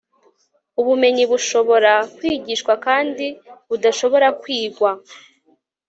Ubumenyi bushobora kwigishwa kandi budashobora kwigwa